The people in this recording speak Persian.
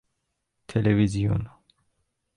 تلویزیون